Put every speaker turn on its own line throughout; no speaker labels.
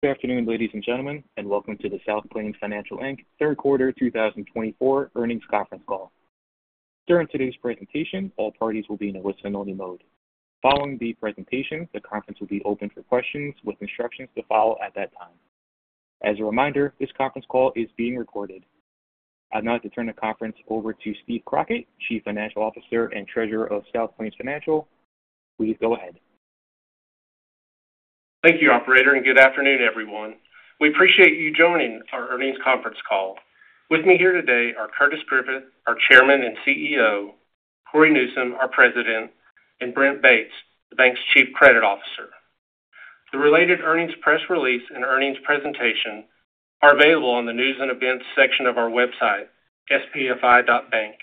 Good afternoon, ladies and gentlemen, and welcome to the South Plains Financial, Inc. Third Quarter two thousand twenty-four earnings conference call. During today's presentation, all parties will be in a listen-only mode. Following the presentation, the conference will be open for questions with instructions to follow at that time. As a reminder, this conference call is being recorded. I'd now like to turn the conference over to Steve Crockett, Chief Financial Officer and Treasurer of South Plains Financial. Please go ahead.
Thank you, operator, and good afternoon, everyone. We appreciate you joining our earnings conference call. With me here today are Curtis Griffith, our Chairman and CEO, Cory Newsom, our President, and Brent Bates, the bank's Chief Credit Officer. The related earnings press release and earnings presentation are available on the News and Events section of our website, spfi.bank.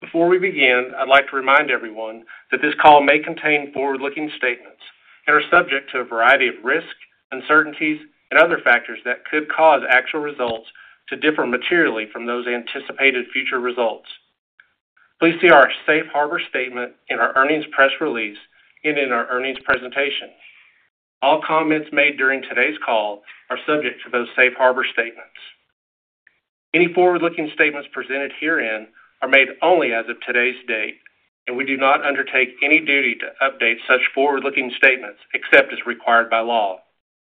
Before we begin, I'd like to remind everyone that this call may contain forward-looking statements that are subject to a variety of risks, uncertainties, and other factors that could cause actual results to differ materially from those anticipated future results. Please see our safe harbor statement in our earnings press release and in our earnings presentation. All comments made during today's call are subject to those safe harbor statements. Any forward-looking statements presented herein are made only as of today's date, and we do not undertake any duty to update such forward-looking statements except as required by law.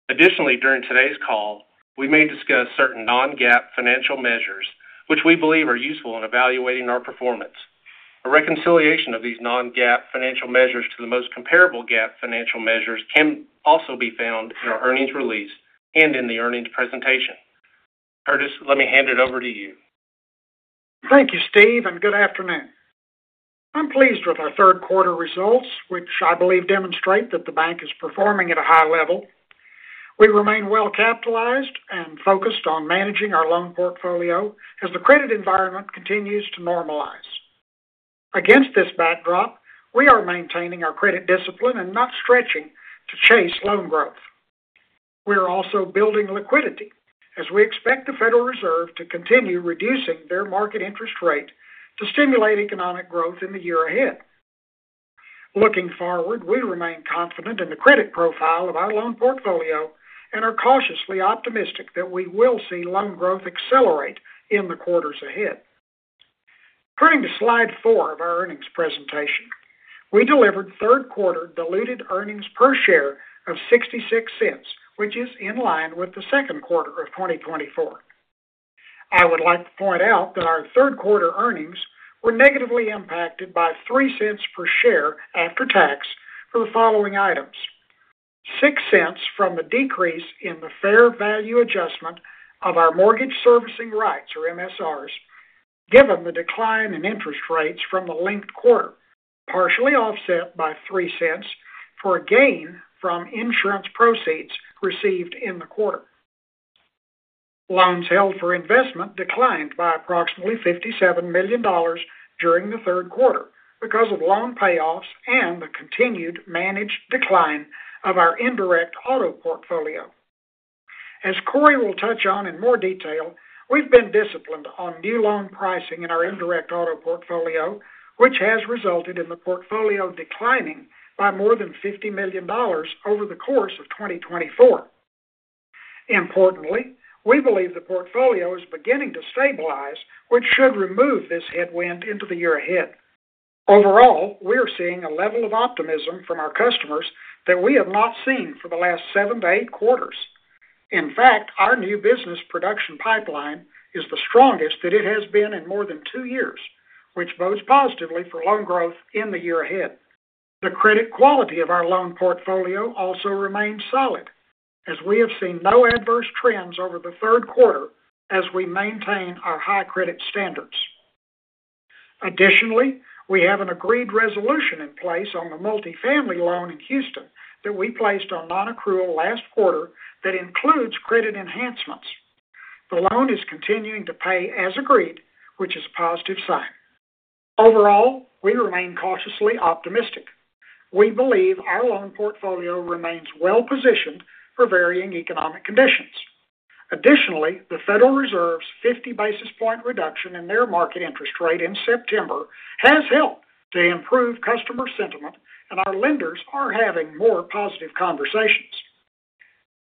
Additionally, during today's call, we may discuss certain non-GAAP financial measures which we believe are useful in evaluating our performance. A reconciliation of these non-GAAP financial measures to the most comparable GAAP financial measures can also be found in our earnings release and in the earnings presentation. Curtis, let me hand it over to you.
Thank you, Steve, and good afternoon. I'm pleased with our third quarter results, which I believe demonstrate that the bank is performing at a high level. We remain well-capitalized and focused on managing our loan portfolio as the credit environment continues to normalize. Against this backdrop, we are maintaining our credit discipline and not stretching to chase loan growth. We are also building liquidity as we expect the Federal Reserve to continue reducing their market interest rate to stimulate economic growth in the year ahead. Looking forward, we remain confident in the credit profile of our loan portfolio and are cautiously optimistic that we will see loan growth accelerate in the quarters ahead. Turning to slide four of our earnings presentation, we delivered third quarter diluted earnings per share of $0.66, which is in line with the second quarter of twenty twenty-four. I would like to point out that our third quarter earnings were negatively impacted by $0.03 per share after tax for the following items: $0.06 from the decrease in the fair value adjustment of our mortgage servicing rights, or MSRs, given the decline in interest rates from the linked quarter, partially offset by $0.03 for a gain from insurance proceeds received in the quarter. Loans held for investment declined by approximately $57 million during the third quarter because of loan payoffs and the continued managed decline of our indirect auto portfolio. As Cory will touch on in more detail, we've been disciplined on new loan pricing in our indirect auto portfolio, which has resulted in the portfolio declining by more than $50 million over the course of 2024. Importantly, we believe the portfolio is beginning to stabilize, which should remove this headwind into the year ahead. Overall, we are seeing a level of optimism from our customers that we have not seen for the last seven to eight quarters. In fact, our new business production pipeline is the strongest that it has been in more than two years, which bodes positively for loan growth in the year ahead. The credit quality of our loan portfolio also remains solid, as we have seen no adverse trends over the third quarter as we maintain our high credit standards. Additionally, we have an agreed resolution in place on the multifamily loan in Houston that we placed on nonaccrual last quarter that includes credit enhancements. The loan is continuing to pay as agreed, which is a positive sign. Overall, we remain cautiously optimistic. We believe our loan portfolio remains well positioned for varying economic conditions. Additionally, the Federal Reserve's 50 basis point reduction in their market interest rate in September has helped to improve customer sentiment, and our lenders are having more positive conversations.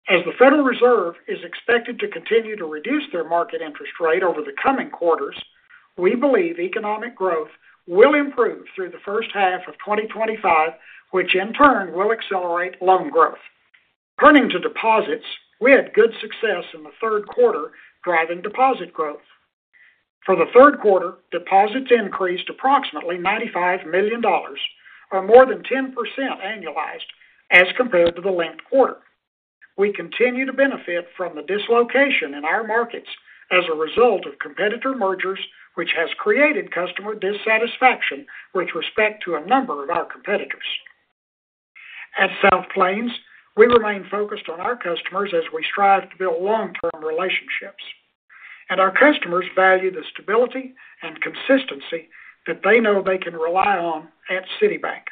As the Federal Reserve is expected to continue to reduce their market interest rate over the coming quarters, we believe economic growth will improve through the first half of 2025, which in turn will accelerate loan growth. Turning to deposits, we had good success in the third quarter, driving deposit growth. For the third quarter, deposits increased approximately $95 million, or more than 10% annualized as compared to the linked quarter. We continue to benefit from the dislocation in our markets as a result of competitor mergers, which has created customer dissatisfaction with respect to a number of our competitors. At South Plains, we remain focused on our customers as we strive to build long-term relationships, and our customers value the stability and consistency that they know they can rely on at City Bank.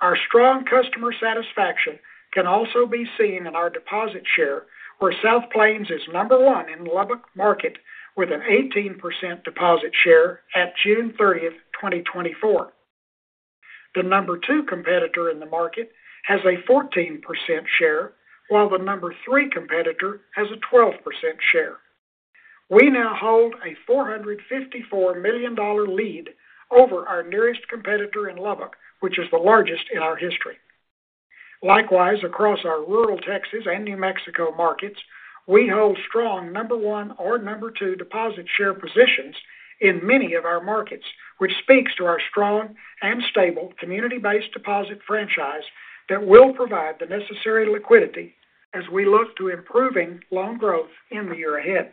Our strong customer satisfaction can also be seen in our deposit share, where South Plains is number one in Lubbock market with an 18% deposit share at June thirtieth, 2024. The number two competitor in the market has a 14% share, while the number three competitor has a 12% share. We now hold a $454 million lead over our nearest competitor in Lubbock, which is the largest in our history. Likewise, across our rural Texas and New Mexico markets, we hold strong number 1 or number 2 deposit share positions in many of our markets, which speaks to our strong and stable community-based deposit franchise that will provide the necessary liquidity as we look to improving loan growth in the year ahead.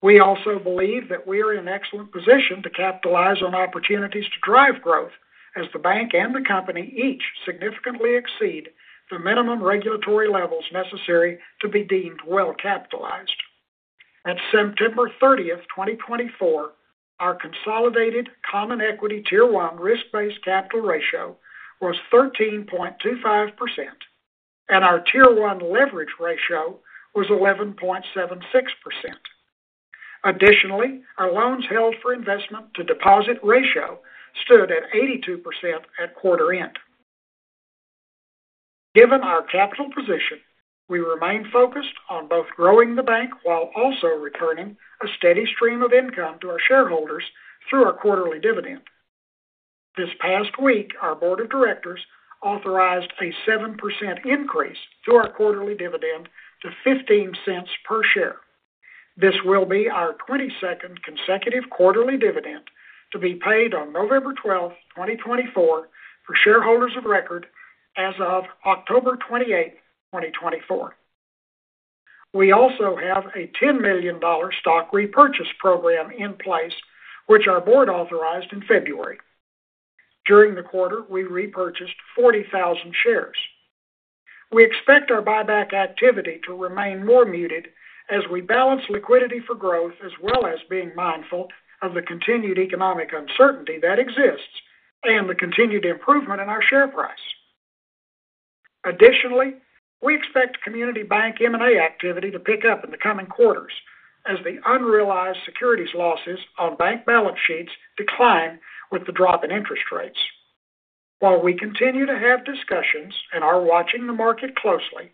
We also believe that we are in excellent position to capitalize on opportunities to drive growth, as the bank and the company each significantly exceed the minimum regulatory levels necessary to be deemed well capitalized. At September thirtieth, twenty twenty-four, our consolidated common equity Tier 1 risk-based capital ratio was 13.25%, and our Tier 1 leverage ratio was 11.76%. Additionally, our loans held for investment to deposit ratio stood at 82% at quarter end. Given our capital position, we remain focused on both growing the bank while also returning a steady stream of income to our shareholders through our quarterly dividend. This past week, our board of directors authorized a 7% increase to our quarterly dividend to $0.15 per share. This will be our twenty-second consecutive quarterly dividend to be paid on November twelfth, 2024, for shareholders of record as of October twenty-eight, 2024. We also have a $10 million stock repurchase program in place, which our board authorized in February. During the quarter, we repurchased 40,000 shares. We expect our buyback activity to remain more muted as we balance liquidity for growth, as well as being mindful of the continued economic uncertainty that exists and the continued improvement in our share price. Additionally, we expect community bank M&A activity to pick up in the coming quarters as the unrealized securities losses on bank balance sheets decline with the drop in interest rates. While we continue to have discussions and are watching the market closely,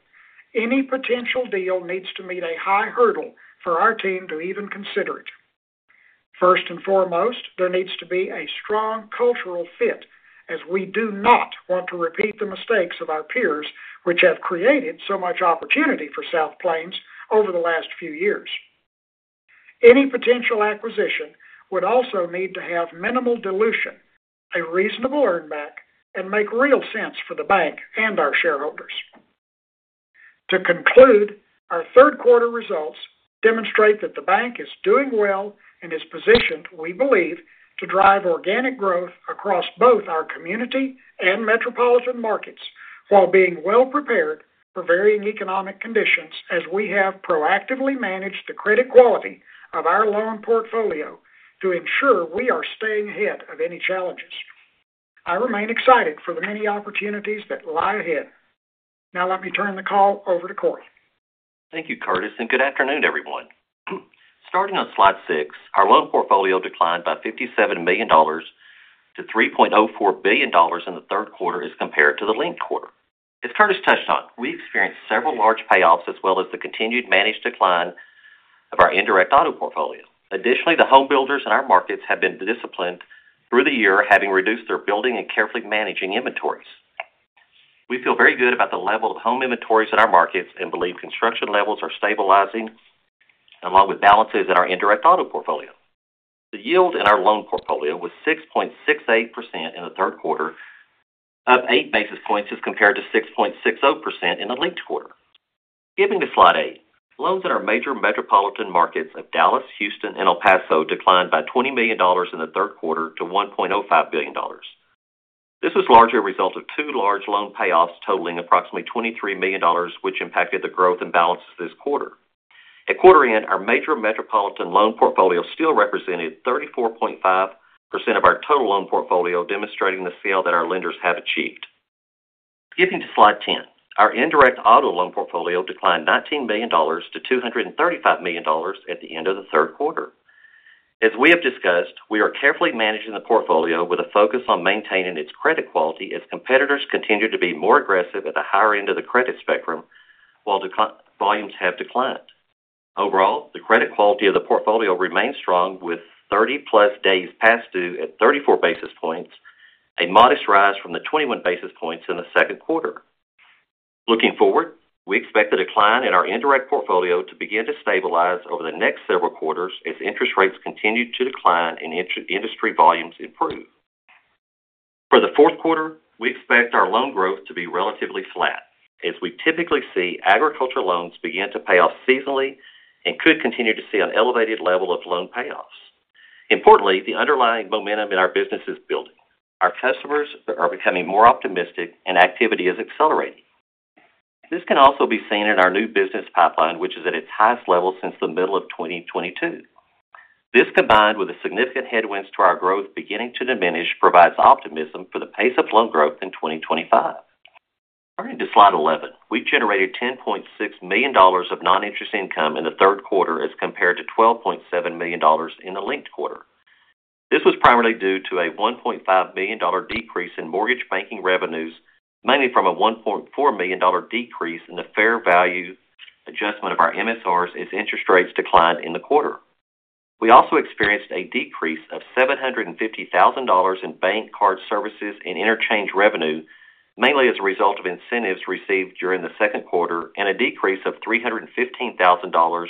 any potential deal needs to meet a high hurdle for our team to even consider it. First and foremost, there needs to be a strong cultural fit, as we do not want to repeat the mistakes of our peers, which have created so much opportunity for South Plains over the last few years. Any potential acquisition would also need to have minimal dilution, a reasonable earn back, and make real sense for the bank and our shareholders. To conclude, our third quarter results demonstrate that the bank is doing well and is positioned, we believe, to drive organic growth across both our community and metropolitan markets, while being well prepared for varying economic conditions, as we have proactively managed the credit quality of our loan portfolio to ensure we are staying ahead of any challenges. I remain excited for the many opportunities that lie ahead. Now, let me turn the call over to Cory.
Thank you, Curtis, and good afternoon, everyone. Starting on slide six, our loan portfolio declined by $57 million to $3.04 billion in the third quarter as compared to the linked quarter. As Curtis touched on, we experienced several large payoffs, as well as the continued managed decline of our indirect auto portfolio. Additionally, the home builders in our markets have been disciplined through the year, having reduced their building and carefully managing inventories. We feel very good about the level of home inventories in our markets and believe construction levels are stabilizing, along with balances in our indirect auto portfolio. The yield in our loan portfolio was 6.68% in the third quarter, up 8 basis points as compared to 6.6% in the linked quarter. Skipping to slide eight. Loans in our major metropolitan markets of Dallas, Houston, and El Paso declined by $20 million in the third quarter to $1.05 billion. This is largely a result of two large loan payoffs, totaling approximately $23 million, which impacted the growth and balance this quarter. At quarter end, our major metropolitan loan portfolio still represented 34.5% of our total loan portfolio, demonstrating the scale that our lenders have achieved. Skipping to slide 10. Our indirect auto loan portfolio declined $19 million to $235 million at the end of the third quarter. As we have discussed, we are carefully managing the portfolio with a focus on maintaining its credit quality as competitors continue to be more aggressive at the higher end of the credit spectrum, while dealer volumes have declined. Overall, the credit quality of the portfolio remains strong, with 30-plus days past due at 34 basis points, a modest rise from the 21 basis points in the second quarter. Looking forward, we expect the decline in our indirect portfolio to begin to stabilize over the next several quarters as interest rates continue to decline and industry volumes improve. For the fourth quarter, we expect our loan growth to be relatively flat, as we typically see agricultural loans begin to pay off seasonally and could continue to see an elevated level of loan payoffs. Importantly, the underlying momentum in our business is building. Our customers are becoming more optimistic, and activity is accelerating. This can also be seen in our new business pipeline, which is at its highest level since the middle of 2022. This, combined with the significant headwinds to our growth beginning to diminish, provides optimism for the pace of loan growth in 2025. To slide 11. We generated $10.6 million of non-interest income in the third quarter as compared to $12.7 million in the linked quarter. This was primarily due to a $1.5 billion decrease in mortgage banking revenues, mainly from a $1.4 million decrease in the fair value adjustment of our MSRs as interest rates declined in the quarter. We also experienced a decrease of $750,000 in bank card services and interchange revenue, mainly as a result of incentives received during the second quarter, and a decrease of $315,000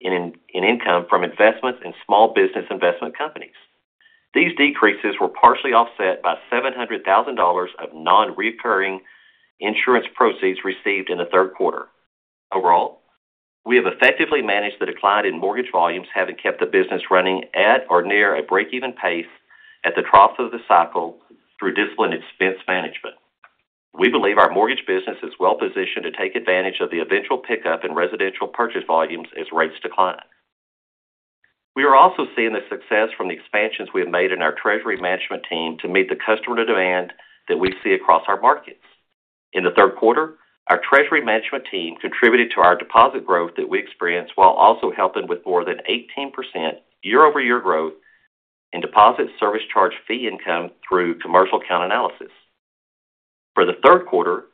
in income from investments in small business investment companies. These decreases were partially offset by $700,000 of nonrecurring insurance proceeds received in the third quarter. Overall, we have effectively managed the decline in mortgage volumes, having kept the business running at or near a break-even pace at the trough of the cycle through disciplined expense management. We believe our mortgage business is well positioned to take advantage of the eventual pickup in residential purchase volumes as rates decline. We are also seeing the success from the expansions we have made in our treasury management team to meet the customer demand that we see across our markets. In the third quarter, our treasury management team contributed to our deposit growth that we experienced, while also helping with more than 18% year-over-year growth in deposit service charge fee income through commercial account analysis. For the third quarter,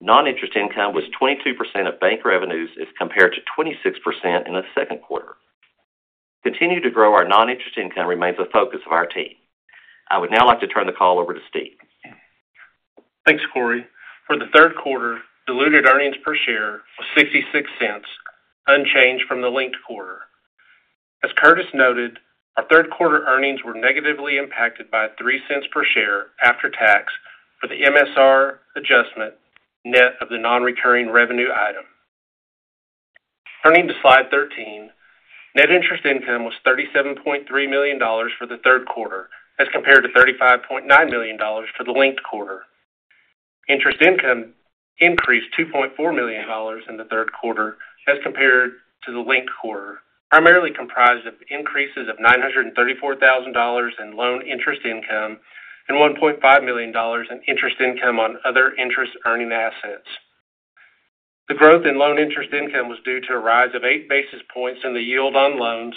non-interest income was 22% of bank revenues as compared to 26% in the second quarter. Continue to grow our non-interest income remains a focus of our team. I would now like to turn the call over to Steve.
Thanks, Cory. For the third quarter, diluted earnings per share was $0.66, unchanged from the linked quarter. As Curtis noted, our third quarter earnings were negatively impacted by $0.03 per share after tax for the MSR adjustment, net of the non-recurring revenue item. Turning to slide 13, net interest income was $37.3 million for the third quarter, as compared to $35.9 million for the linked quarter. Interest income increased $2.4 million in the third quarter as compared to the linked quarter, primarily comprised of increases of $934,000 in loan interest income and $1.5 million in interest income on other interest earning assets. The growth in loan interest income was due to a rise of eight basis points in the yield on loans,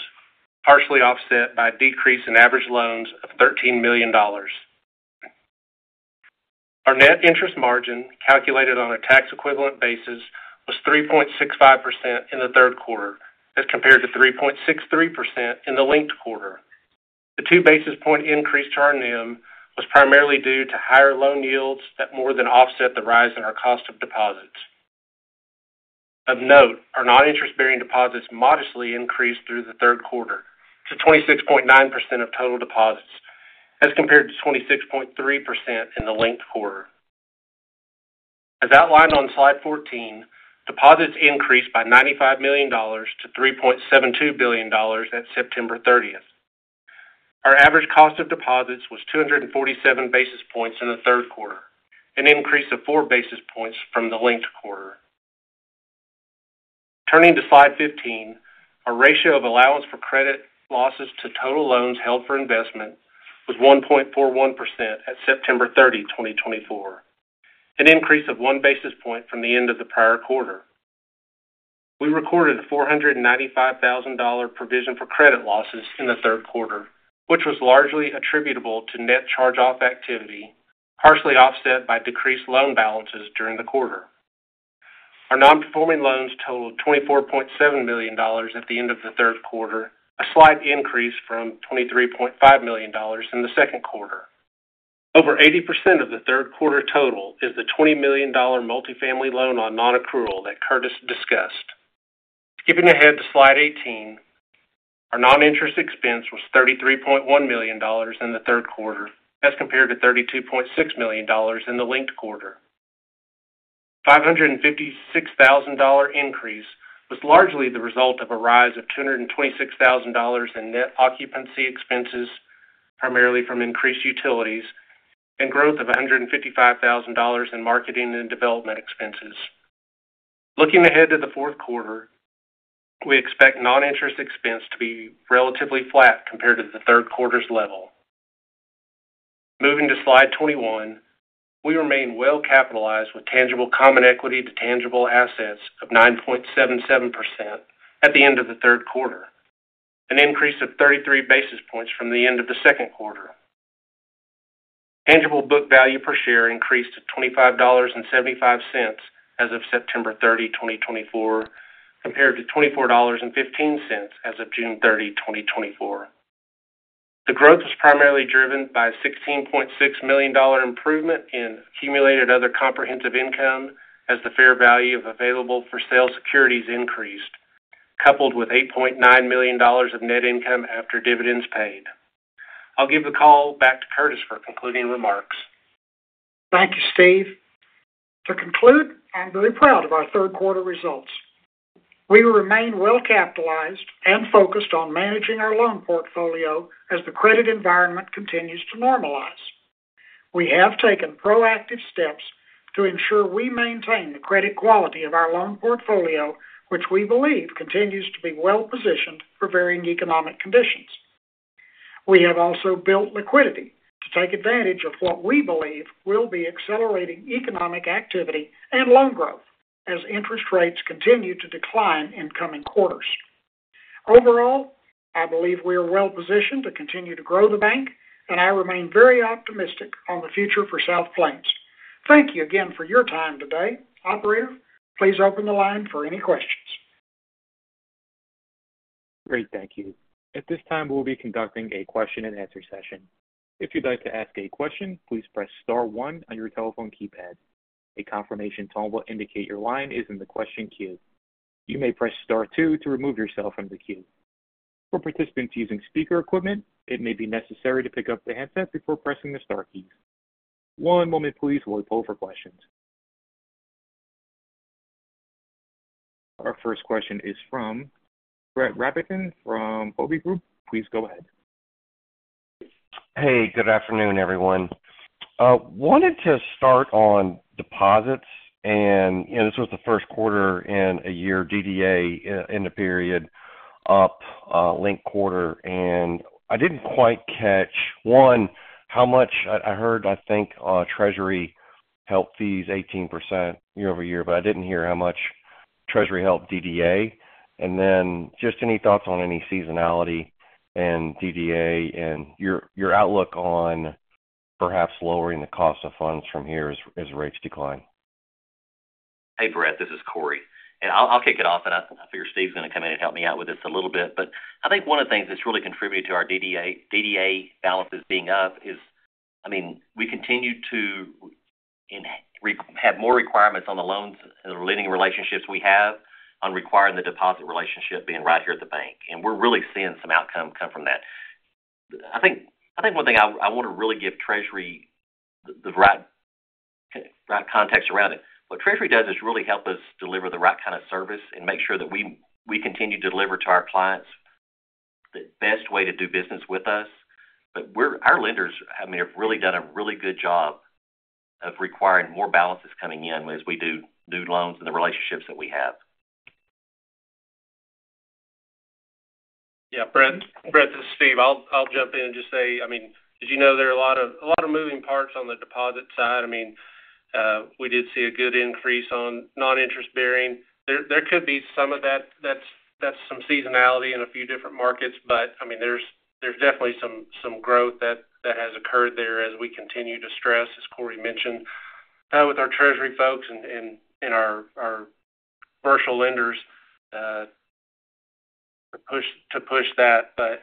partially offset by a decrease in average loans of $13 million. Our net interest margin, calculated on a tax equivalent basis, was 3.65% in the third quarter, as compared to 3.63% in the linked quarter. The two basis point increase to our NIM was primarily due to higher loan yields that more than offset the rise in our cost of deposits. Of note, our non-interest-bearing deposits modestly increased through the third quarter to 26.9% of total deposits, as compared to 26.3% in the linked quarter. As outlined on Slide 14, deposits increased by $95 million to $3.72 billion at September thirtieth. Our average cost of deposits was 247 basis points in the third quarter, an increase of 4 basis points from the linked quarter. Turning to slide 15, our ratio of allowance for credit losses to total loans held for investment was 1.41% at September 30, 2024, an increase of 1 basis point from the end of the prior quarter. We recorded a $495,000 provision for credit losses in the third quarter, which was largely attributable to net charge-off activity, partially offset by decreased loan balances during the quarter. Our non-performing loans totaled $24.7 million at the end of the third quarter, a slight increase from $23.5 million in the second quarter. Over 80% of the third quarter total is the $20 million multifamily loan on nonaccrual that Curtis discussed. Skipping ahead to slide 18, our non-interest expense was $33.1 million in the third quarter, as compared to $32.6 million in the linked quarter. $556,000 increase was largely the result of a rise of $226,000 in net occupancy expenses, primarily from increased utilities and growth of $155,000 in marketing and development expenses. Looking ahead to the fourth quarter, we expect non-interest expense to be relatively flat compared to the third quarter's level. Moving to slide 21, we remain well capitalized with tangible common equity to tangible assets of 9.77% at the end of the third quarter, an increase of 33 basis points from the end of the second quarter. Tangible book value per share increased to $25.75 as of September 30, 2024, compared to $24.15 as of June 30, 2024. The growth was primarily driven by a $16.6 million improvement in accumulated other comprehensive income as the fair value of available for sale securities increased, coupled with $8.9 million of net income after dividends paid. I'll give the call back to Curtis for concluding remarks.
Thank you, Steve. To conclude, I'm very proud of our third quarter results. We remain well capitalized and focused on managing our loan portfolio as the credit environment continues to normalize. We have taken proactive steps to ensure we maintain the credit quality of our loan portfolio, which we believe continues to be well positioned for varying economic conditions. ...We have also built liquidity to take advantage of what we believe will be accelerating economic activity and loan growth as interest rates continue to decline in coming quarters. Overall, I believe we are well positioned to continue to grow the bank, and I remain very optimistic on the future for South Plains. Thank you again for your time today. Operator, please open the line for any questions.
Great. Thank you. At this time, we'll be conducting a question-and-answer session. If you'd like to ask a question, please press star one on your telephone keypad. A confirmation tone will indicate your line is in the question queue. You may press star two to remove yourself from the queue. For participants using speaker equipment, it may be necessary to pick up the handset before pressing the star keys. One moment, please, while we pull for questions. Our first question is from Brett Rabatin from Hovde Group. Please go ahead.
Hey, good afternoon, everyone. Wanted to start on deposits, and, you know, this was the first quarter in a year, DDA in the period up linked quarter, and I didn't quite catch, one, how much. I heard, I think, treasury helped fees 18% year over year, but I didn't hear how much treasury helped DDA. And then just any thoughts on any seasonality and DDA and your outlook on perhaps lowering the cost of funds from here as rates decline?
Hey, Brett, this is Cory, and I'll kick it off, and I figure Steve's going to come in and help me out with this a little bit. But I think one of the things that's really contributed to our DDA balances being up is, I mean, we continue to have more requirements on the loans and the lending relationships we have on requiring the deposit relationship being right here at the bank, and we're really seeing some outcome come from that. I think one thing I want to really give treasury the right context around it. What treasury does is really help us deliver the right kind of service and make sure that we continue to deliver to our clients the best way to do business with us. Our lenders, I mean, have really done a really good job of requiring more balances coming in as we do new loans and the relationships that we have.
Yeah, Brett. Brett, this is Steve. I'll jump in and just say, I mean, did you know there are a lot of moving parts on the deposit side? I mean, we did see a good increase on non-interest bearing. There could be some of that, that's some seasonality in a few different markets, but, I mean, there's definitely some growth that has occurred there as we continue to stress, as Cory mentioned, with our treasury folks and our commercial lenders to push that, but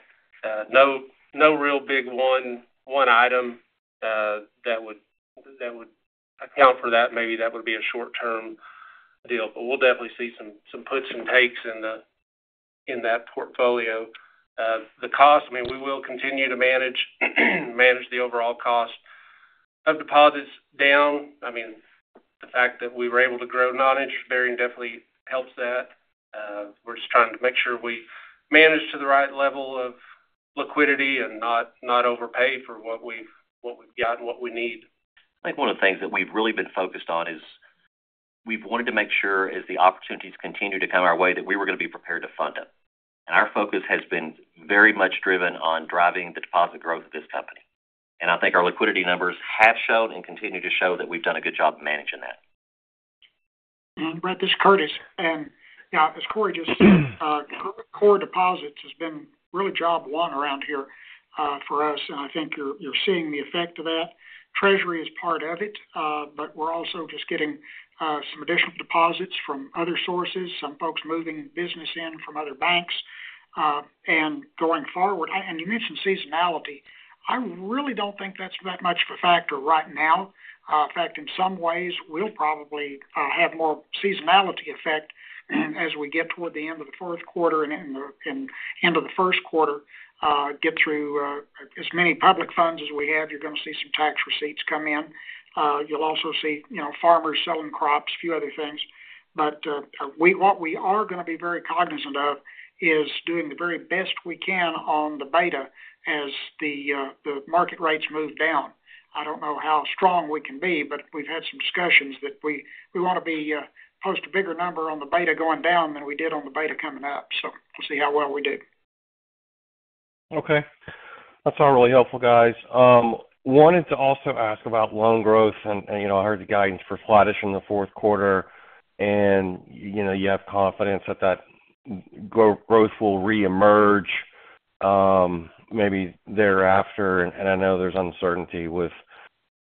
no real big one item that would account for that. Maybe that would be a short-term deal, but we'll definitely see some puts and takes in that portfolio. The cost, I mean, we will continue to manage the overall cost of deposits down. I mean, the fact that we were able to grow non-interest bearing definitely helps that. We're just trying to make sure we manage to the right level of liquidity and not overpay for what we've got and what we need.
I think one of the things that we've really been focused on is we've wanted to make sure as the opportunities continue to come our way, that we were going to be prepared to fund them, and our focus has been very much driven on driving the deposit growth of this company, and I think our liquidity numbers have shown and continue to show that we've done a good job managing that.
Brett, this is Curtis. And, yeah, as Cory just said, core deposits has been really job one around here, for us, and I think you're seeing the effect of that. Treasury is part of it, but we're also just getting some additional deposits from other sources, some folks moving business in from other banks, and going forward. And you mentioned seasonality. I really don't think that's that much of a factor right now. In fact, in some ways, we'll probably have more seasonality effect as we get toward the end of the fourth quarter and end of the first quarter, get through as many public funds as we have, you're going to see some tax receipts come in. You'll also see, you know, farmers selling crops, a few other things. But, what we are going to be very cognizant of is doing the very best we can on the beta as the market rates move down. I don't know how strong we can be, but we've had some discussions that we want to be post a bigger number on the beta going down than we did on the beta coming up. So we'll see how well we do.
Okay. That's all really helpful, guys. Wanted to also ask about loan growth, and you know, I heard the guidance for flattish in the fourth quarter, and you know, you have confidence that that growth will reemerge, maybe thereafter. And I know there's uncertainty with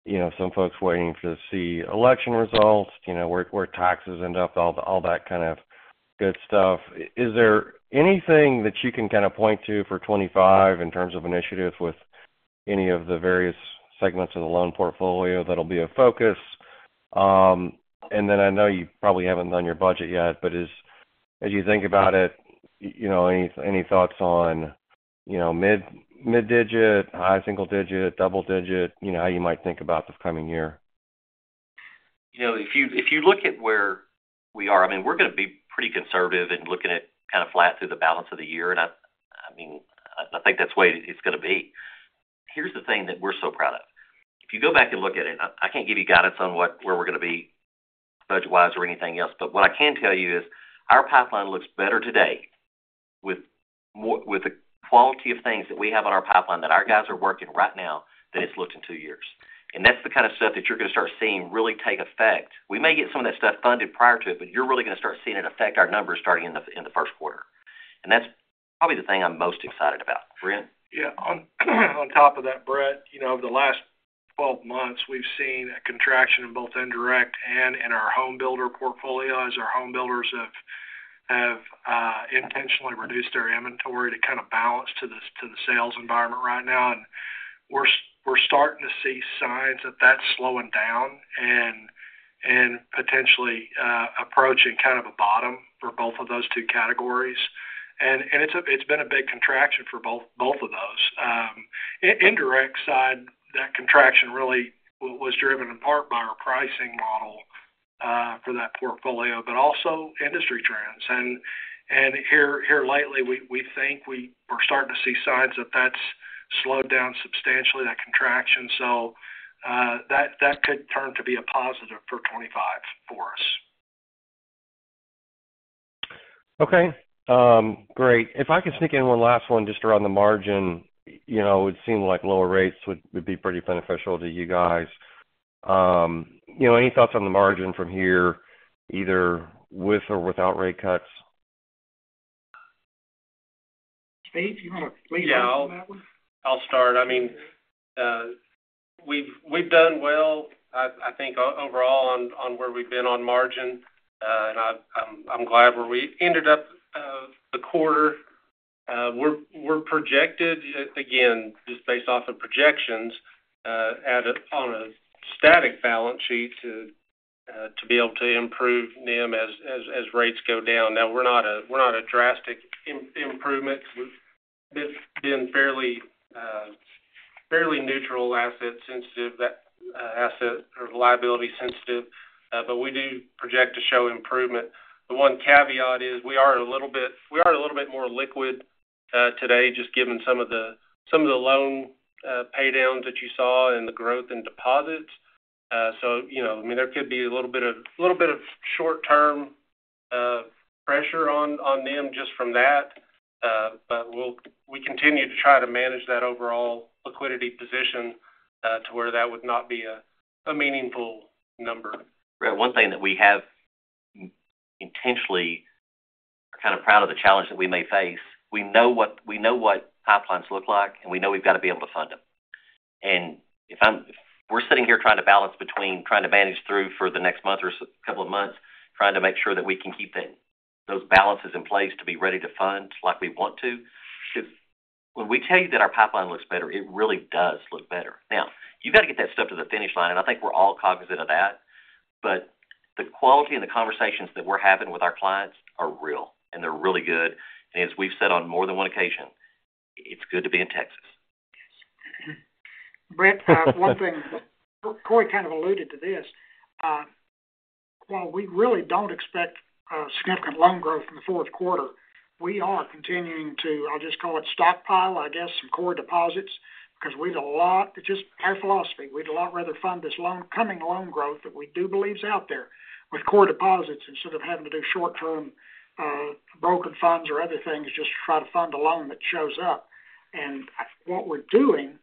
you know, some folks waiting to see election results, you know, where taxes end up, all that kind of good stuff. Is there anything that you can kind of point to for twenty-five in terms of initiatives with any of the various segments of the loan portfolio that'll be a focus? And then I know you probably haven't done your budget yet, but as you think about it, you know, any thoughts on you know, mid-digit, high single digit, double digit, you know, how you might think about the coming year?
You know, if you look at where we are, I mean, we're going to be pretty conservative in looking at kind of flat through the balance of the year. And I mean, I think that's the way it's going to be. Here's the thing that we're so proud of. If you go back and look at it, I can't give you guidance on what, where we're gonna be budget-wise or anything else, but what I can tell you is, our pipeline looks better today with the quality of things that we have on our pipeline that our guys are working right now than it's looked in two years. And that's the kind of stuff that you're gonna start seeing really take effect. We may get some of that stuff funded prior to it, but you're really gonna start seeing it affect our numbers starting in the first quarter. And that's probably the thing I'm most excited about. Brent?
Yeah, on top of that, Brett, you know, over the last 12 months, we've seen a contraction in both indirect and in our home builder portfolio, as our home builders have intentionally reduced their inventory to kind of balance to the sales environment right now. And we're starting to see signs that that's slowing down and potentially approaching kind of a bottom for both of those two categories. And it's been a big contraction for both of those. Indirect side, that contraction really was driven in part by our pricing model for that portfolio, but also industry trends. And here lately, we think we're starting to see signs that that's slowed down substantially, that contraction. So, that could turn to be a positive for 2025 for us.
Okay, great. If I could sneak in one last one, just around the margin. You know, it would seem like lower rates would be pretty beneficial to you guys. You know, any thoughts on the margin from here, either with or without rate cuts?
Steve, you want to weigh in on that one?
Yeah, I'll start. I mean, we've done well, I think overall on where we've been on margin, and I'm glad where we ended up the quarter. We're projected, again, just based off of projections, on a static balance sheet to be able to improve NIM as rates go down. Now, we're not a drastic improvement. We've been fairly neutral, asset sensitive, that asset or liability sensitive, but we do project to show improvement. The one caveat is, we are a little bit more liquid today, just given some of the loan pay downs that you saw and the growth in deposits. So, you know, I mean, there could be a little bit of short-term pressure on NIM just from that, but we'll continue to try to manage that overall liquidity position to where that would not be a meaningful number.
One thing that we have intentionally are kind of proud of the challenge that we may face. We know what pipelines look like, and we know we've got to be able to fund them. And if we're sitting here trying to balance between trying to manage through for the next month or couple of months, trying to make sure that we can keep those balances in place to be ready to fund like we want to. When we tell you that our pipeline looks better, it really does look better. Now, you've got to get that stuff to the finish line, and I think we're all cognizant of that, but the quality and the conversations that we're having with our clients are real, and they're really good. And as we've said on more than one occasion, it's good to be in Texas.
Brett, one thing, Cory kind of alluded to this, while we really don't expect significant loan growth in the fourth quarter, we are continuing to, I'll just call it, stockpile, I guess, some core deposits, because, just our philosophy, we'd a lot rather fund this coming loan growth that we do believe is out there with core deposits, instead of having to do short-term broken funds or other things, just to try to fund a loan that shows up. And what we're doing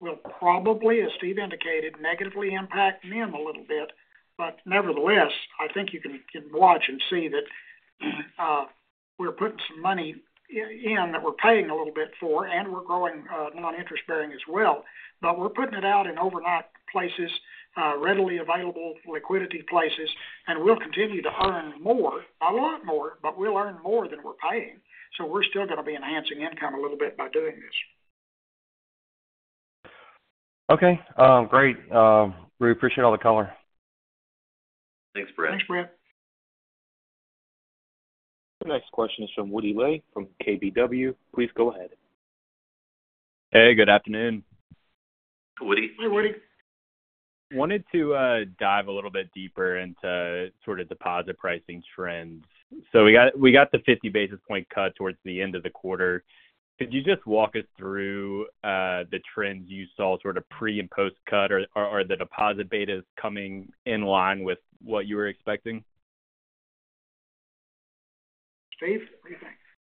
will probably, as Steve indicated, negatively impact NIM a little bit, but nevertheless, I think you can watch and see that we're putting some money in that we're paying a little bit for, and we're growing non-interest bearing as well. But we're putting it out in overnight places, readily available liquidity places, and we'll continue to earn more, a lot more, but we'll earn more than we're paying, so we're still gonna be enhancing income a little bit by doing this.
Okay, great. We appreciate all the color.
Thanks, Brett.
Thanks, Brett.
The next question is from Woody Lay from KBW. Please go ahead.
Hey, good afternoon.
Woody.
Hey, Woody.
Wanted to dive a little bit deeper into sort of deposit pricing trends. So we got the fifty basis point cut towards the end of the quarter. Could you just walk us through the trends you saw sort of pre- and post-cut, or are the deposit betas coming in line with what you were expecting?
Steve, what do you think?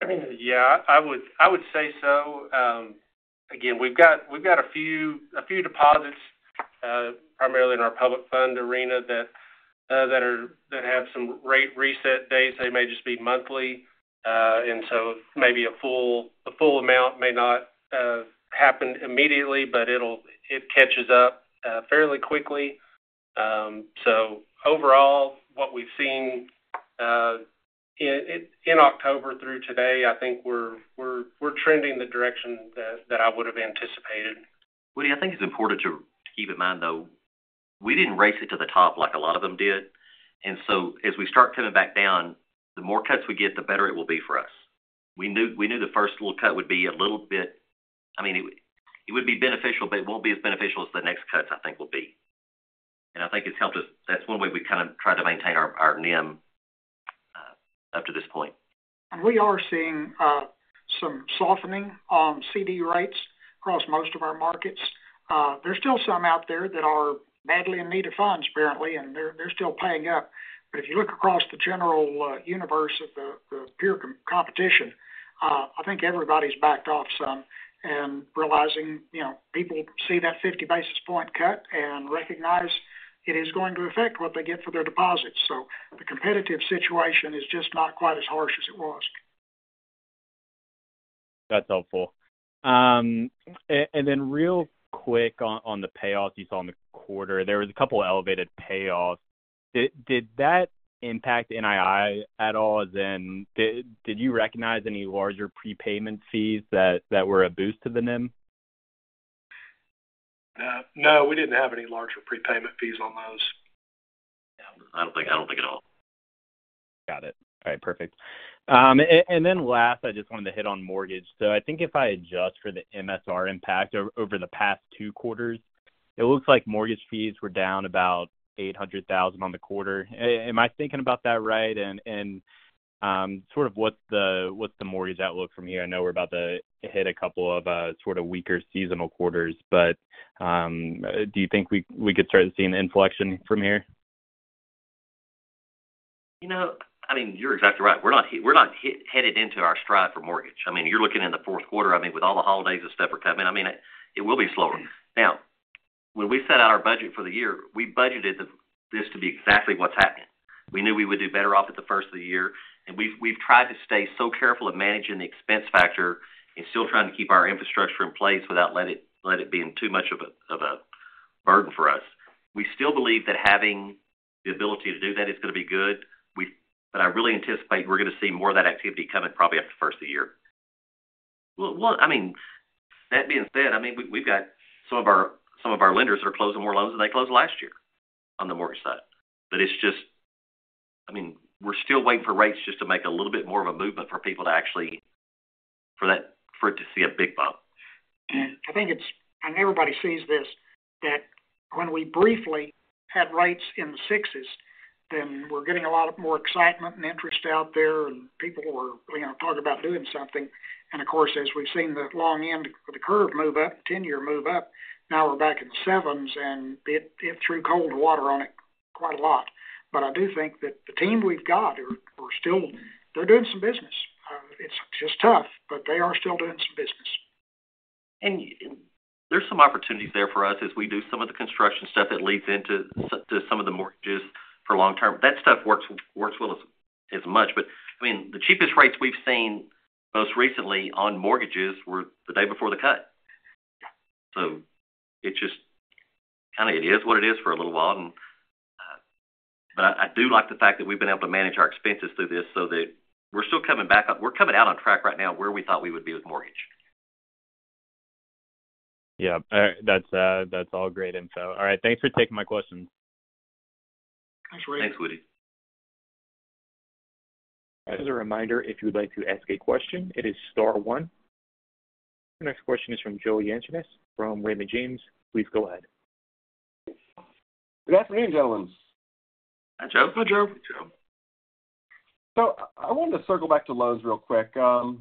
I mean, yeah, I would say so. Again, we've got a few deposits, primarily in our public fund arena, that have some rate reset dates. They may just be monthly, and so maybe a full amount may not happen immediately, but it'll catch up fairly quickly. So overall, what we've seen in October through today, I think we're trending the direction that I would have anticipated.
Woody, I think it's important to keep in mind, though, we didn't raise it to the top like a lot of them did. And so as we start coming back down, the more cuts we get, the better it will be for us. We knew, we knew the first little cut would be a little bit... I mean, it would be beneficial, but it won't be as beneficial as the next cuts, I think, will be. And I think it's helped us. That's one way we've kind of tried to maintain our NIM.
We are seeing some softening on CD rates across most of our markets. There's still some out there that are badly in need of funds, apparently, and they're still paying up. But if you look across the general universe of the peer competition, I think everybody's backed off some and realizing, you know, people see that fifty basis point cut and recognize it is going to affect what they get for their deposits. So the competitive situation is just not quite as harsh as it was.
That's helpful, and then real quick on the payoffs you saw on the quarter, there was a couple of elevated payoffs. Did that impact NII at all, then? Did you recognize any larger prepayment fees that were a boost to the NIM?
No, we didn't have any larger prepayment fees on those.
I don't think at all.
Got it. All right, perfect. And then last, I just wanted to hit on mortgage. So I think if I adjust for the MSR impact over the past two quarters, it looks like mortgage fees were down about $800,000 on the quarter. Am I thinking about that right? And sort of what's the mortgage outlook from here? I know we're about to hit a couple of sort of weaker seasonal quarters, but do you think we could start to see an inflection from here?
You know, I mean, you're exactly right. We're not headed into our stride for mortgage. I mean, you're looking in the fourth quarter, I mean, with all the holidays and stuff are coming, I mean, it will be slower. Now, when we set out our budget for the year, we budgeted this to be exactly what's happening. We knew we would do better off at the first of the year, and we've tried to stay so careful at managing the expense factor and still trying to keep our infrastructure in place without letting it being too much of a burden for us. We still believe that having the ability to do that is going to be good. But I really anticipate we're going to see more of that activity coming probably after the first of the year. One, I mean, that being said, I mean, we've got some of our lenders are closing more loans than they closed last year on the mortgage side. But it's just... I mean, we're still waiting for rates just to make a little bit more of a movement for people to actually for it to see a big bump.
I think it's, and everybody sees this, that when we briefly had rates in the sixes, then we're getting a lot more excitement and interest out there, and people were, you know, talking about doing something, and of course, as we've seen the long end of the curve move up, the ten-year move up, now we're back in the sevens, and it threw cold water on it quite a lot, but I do think that the team we've got are still, they're doing some business, it's just tough, but they are still doing some business.
And there's some opportunities there for us as we do some of the construction stuff that leads into to some of the mortgages for long term. That stuff works well as much, but I mean, the cheapest rates we've seen most recently on mortgages were the day before the cut. So it just kind of it is what it is for a little while, and but I do like the fact that we've been able to manage our expenses through this so that we're still coming back up. We're coming out on track right now where we thought we would be with mortgage.
Yeah, that's all great info. All right. Thanks for taking my questions.
Thanks, Woody.
Thanks, Woody.
As a reminder, if you would like to ask a question, it is star one. The next question is from Joe Yanchunis from Raymond James. Please go ahead.
Good afternoon, gentlemen.
Hi, Joe.
Hi, Joe.
Hi, Joe.
So I wanted to circle back to loans real quick. I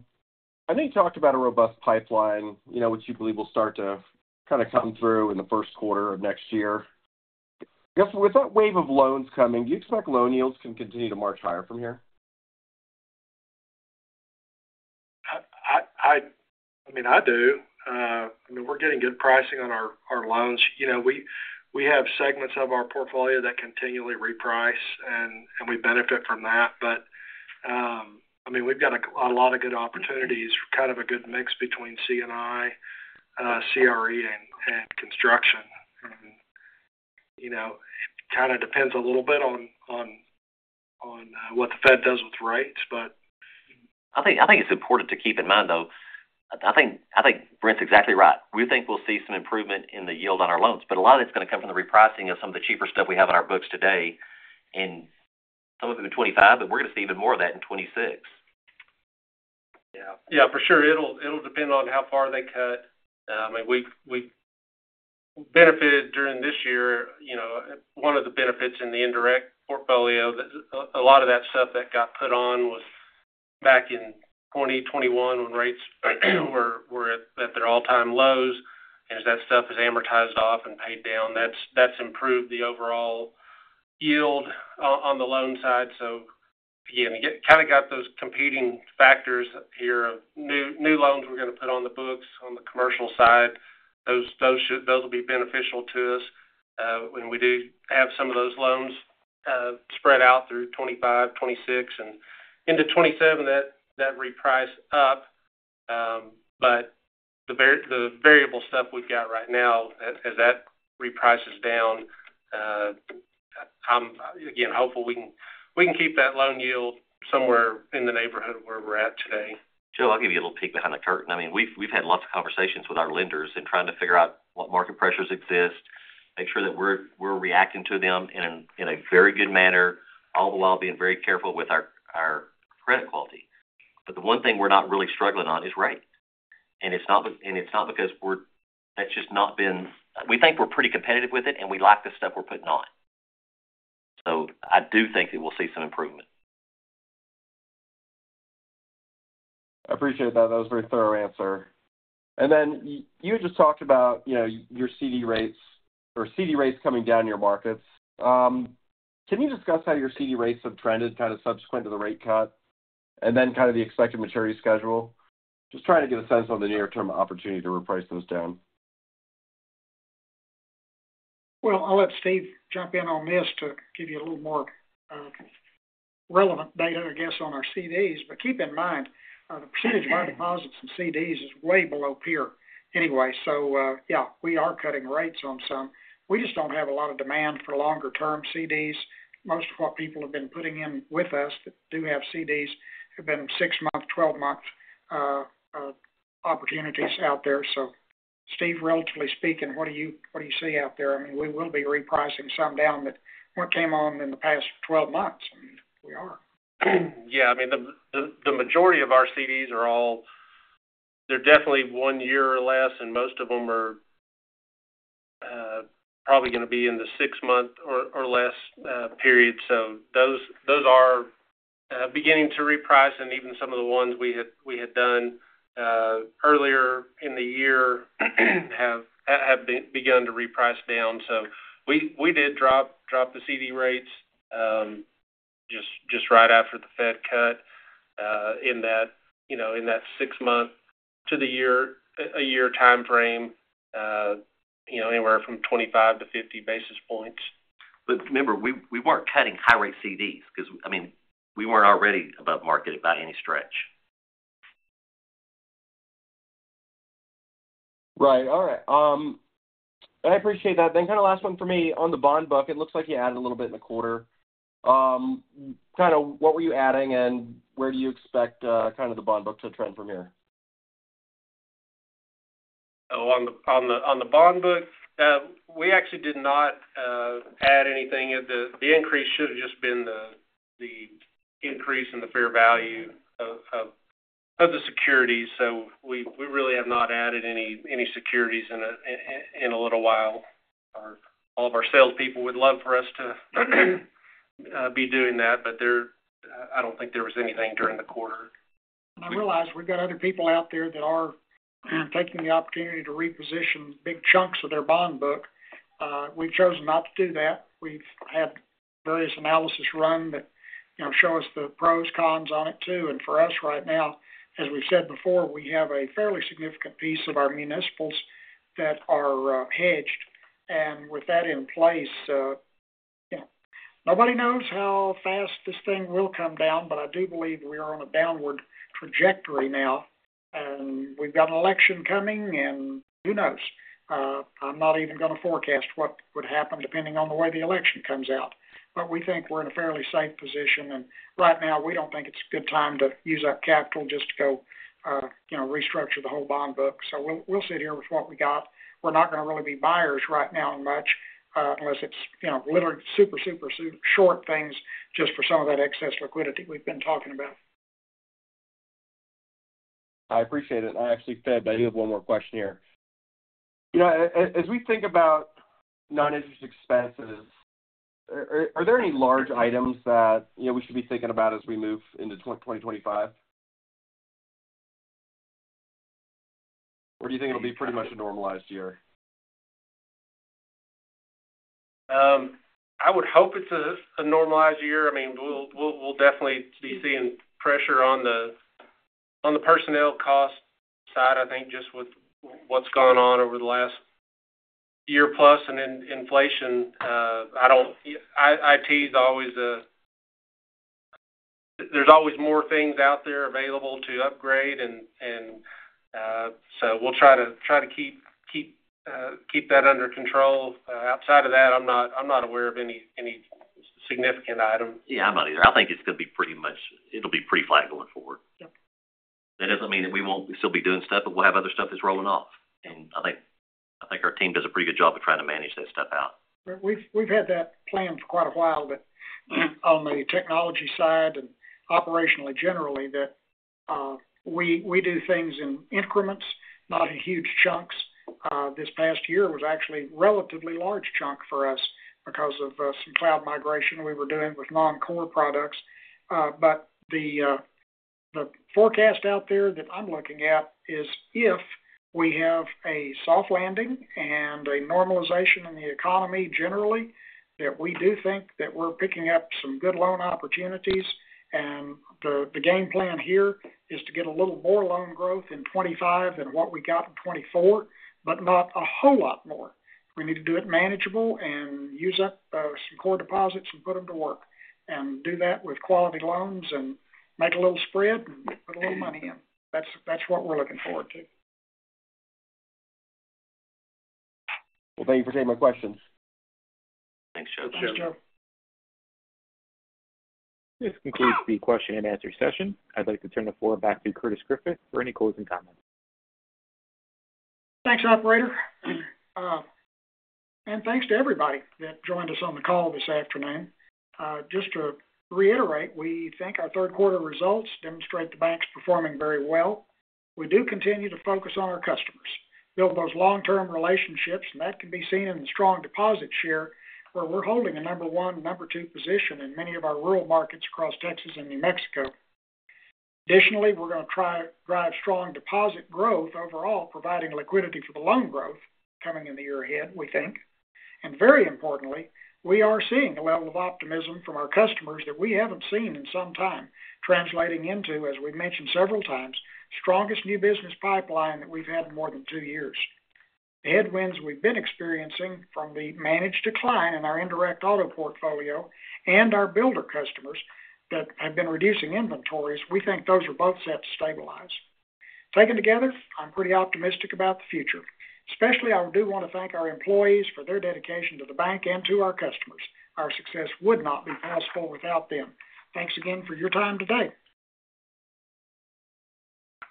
know you talked about a robust pipeline, you know, which you believe will start to kind of come through in the first quarter of next year. Given that wave of loans coming, do you expect loan yields can continue to march higher from here?
I mean, I do. I mean, we're getting good pricing on our loans. You know, we have segments of our portfolio that continually reprice, and we benefit from that. But, I mean, we've got a lot of good opportunities, kind of a good mix between C&I, CRE and construction. You know, kind of depends a little bit on what the Fed does with rates, but
I think, I think it's important to keep in mind, though, I think, I think Brent's exactly right. We think we'll see some improvement in the yield on our loans, but a lot of it's going to come from the repricing of some of the cheaper stuff we have on our books today, and some of it in 2025, but we're going to see even more of that in 2026.
Yeah. Yeah, for sure. It'll depend on how far they cut. I mean, we've benefited during this year. You know, one of the benefits in the indirect portfolio that a lot of that stuff that got put on was back in twenty twenty-one when rates were at their all-time lows. As that stuff is amortized off and paid down, that's improved the overall yield on the loan side. So again, you get kind of got those competing factors here of new loans we're going to put on the books on the commercial side. Those will be beneficial to us when we do have some of those loans spread out through twenty-five, twenty-six and into twenty-seven that reprice up. But the variable stuff we've got right now, as that reprices down, I'm again hopeful we can keep that loan yield somewhere in the neighborhood of where we're at today.
Joe, I'll give you a little peek behind the curtain. I mean, we've had lots of conversations with our lenders in trying to figure out what market pressures exist, make sure that we're reacting to them in a very good manner, all the while being very careful with our credit quality. But the one thing we're not really struggling on is rates. And it's not because we're. That's just not been. We think we're pretty competitive with it, and we like the stuff we're putting on. So I do think that we'll see some improvement.
I appreciate that. That was a very thorough answer. And then you just talked about, you know, your CD rates or CD rates coming down your markets. Can you discuss how your CD rates have trended kind of subsequent to the rate cut and then kind of the expected maturity schedule? Just trying to get a sense on the near-term opportunity to reprice those down.
Well, I'll let Steve jump in on this to give you a little more relevant data, I guess, on our CDs. But keep in mind, the percentage of our deposits in CDs is way below peer anyway. So, yeah, we are cutting rates on some. We just don't have a lot of demand for longer-term CDs. Most of what people have been putting in with us that do have CDs have been 6-month, 12-month opportunities out there. So Steve, relatively speaking, what do you see out there? I mean, we will be repricing some down, but what came on in the past 12 months? We are.
Yeah, I mean, the majority of our CDs are all—they're definitely one year or less, and most of them are probably going to be in the six month or less period. So those are beginning to reprice, and even some of the ones we had done earlier in the year have begun to reprice down. So we did drop the CD rates just right after the Fed cut you know in that six month to the year, a year timeframe you know anywhere from twenty-five to fifty basis points.
But remember, we weren't cutting high rate CDs because, I mean, we weren't already above market by any stretch.
Right. All right. I appreciate that. Then kind of last one for me on the bond book, it looks like you added a little bit in the quarter. Kind of what were you adding, and where do you expect kind of the bond book to trend from here?
Oh, on the bond book, we actually did not add anything. The increase should have just been the increase in the fair value of the securities. So we really have not added any securities in a little while. All of our sales people would love for us to be doing that, but I don't think there was anything during the quarter.
And I realize we've got other people out there that are taking the opportunity to reposition big chunks of their bond book. We've chosen not to do that. We've had various analysis run that, you know, show us the pros, cons on it, too. And for us right now, as we've said before, we have a fairly significant piece of our municipals that are hedged. And with that in place, yeah, nobody knows how fast this thing will come down, but I do believe we are on a downward trajectory now, and we've got an election coming, and who knows? I'm not even going to forecast what would happen depending on the way the election comes out. But we think we're in a fairly safe position, and right now, we don't think it's a good time to use up capital just to go, you know, restructure the whole bond book. So we'll sit here with what we got. We're not going to really be buyers right now much, unless it's, you know, literally super, super short things just for some of that excess liquidity we've been talking about.
I appreciate it. I actually, Fab, I do have one more question here. You know, as we think about non-interest expenses, are there any large items that, you know, we should be thinking about as we move into twenty twenty-five? Or do you think it'll be pretty much a normalized year?
I would hope it's a normalized year. I mean, we'll definitely be seeing pressure on the personnel cost side, I think, just with what's gone on over the last year plus and in inflation. I don't. IT is always a... There's always more things out there available to upgrade and, so we'll try to keep that under control. Outside of that, I'm not aware of any significant item.
Yeah, I'm not either. I think it's going to be pretty much... It'll be pretty flat going forward.
Yep.
That doesn't mean that we won't still be doing stuff, but we'll have other stuff that's rolling off. And I think our team does a pretty good job of trying to manage that stuff out.
We've had that plan for quite a while, but on the technology side and operationally, generally, that we do things in increments, not in huge chunks. This past year was actually a relatively large chunk for us because of some cloud migration we were doing with non-core products. But the forecast out there that I'm looking at is if we have a soft landing and a normalization in the economy generally, that we do think that we're picking up some good loan opportunities. And the game plan here is to get a little more loan growth in 2025 than what we got in 2024, but not a whole lot more. We need to do it manageable and use up, some core deposits and put them to work, and do that with quality loans and make a little spread and put a little money in. That's, that's what we're looking forward to.
Thank you for taking my questions.
Thanks, Joe.
Thanks, Joe.
This concludes the question and answer session. I'd like to turn the floor back to Curtis Griffith for any closing comments.
Thanks, operator, and thanks to everybody that joined us on the call this afternoon. Just to reiterate, we think our third quarter results demonstrate the bank's performing very well. We do continue to focus on our customers, build those long-term relationships, and that can be seen in the strong deposit share, where we're holding a number one, number two position in many of our rural markets across Texas and New Mexico. Additionally, we're going to try to drive strong deposit growth overall, providing liquidity for the loan growth coming in the year ahead, we think. And very importantly, we are seeing a level of optimism from our customers that we haven't seen in some time, translating into, as we've mentioned several times, strongest new business pipeline that we've had in more than two years. The headwinds we've been experiencing from the managed decline in our indirect auto portfolio and our builder customers that have been reducing inventories, we think those are both set to stabilize. Taken together, I'm pretty optimistic about the future. Especially, I do want to thank our employees for their dedication to the bank and to our customers. Our success would not be possible without them. Thanks again for your time today.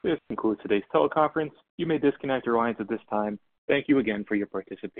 This concludes today's teleconference. You may disconnect your lines at this time. Thank you again for your participation.